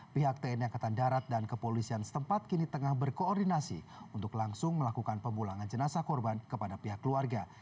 pihak tni angkatan darat dan kepolisian setempat kini tengah berkoordinasi untuk langsung melakukan pemulangan jenazah korban kepada pihak keluarga